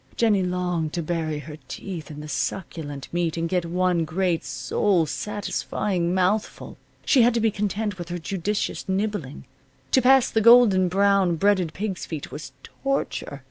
Jennie longed to bury her teeth in the succulent meat and get one great, soul satisfying mouthful. She had to be content with her judicious nibbling. To pass the golden brown, breaded pig's feet was torture.